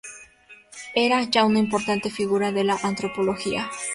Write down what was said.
Era ya una importante figura de la Antropología.